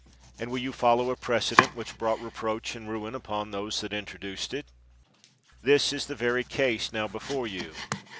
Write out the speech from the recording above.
And will you follow a precedent which brought reproach and ruin upon those that introduced it ? This is the very case now before you.